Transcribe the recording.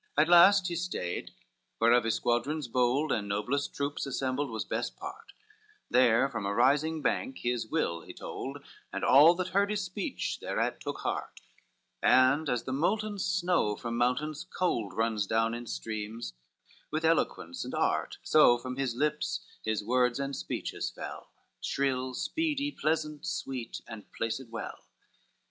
XIII At last he stayed where of his squadrons bold And noblest troops assembled was best part; There from a rising bank his will he told, And all that heard his speech thereat took heart: And as the molten snow from mountains cold Runs down in streams with eloquence and art, So from his lips his words and speeches fell, Shrill, speedy, pleasant, sweet, and placed well.